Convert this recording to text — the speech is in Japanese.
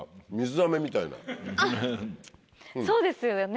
あっそうですよね。